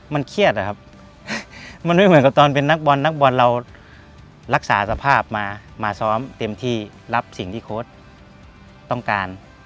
มันเครียดอะครับมันไม่เหมือนกับตอนเป็นนักบอลนักบอลเรารักษาสภาพมามาซ้อมเต็มที่รับสิ่งที่โค้ดต้องการ